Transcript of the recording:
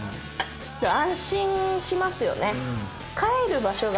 安心しますよね。